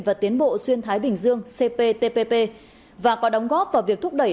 và tiến bộ xuyên thái bình dương cptpp và có đóng góp vào việc thúc đẩy